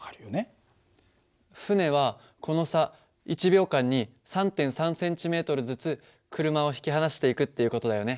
船はこの差１秒間に３．３ｃｍずつ車を引き離していくっていう事だよね。